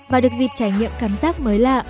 và được dịp trải nghiệm cảm giác mới lạ